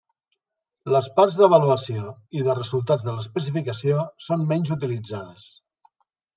Les parts d'avaluació i de resultats de l'especificació són menys utilitzades.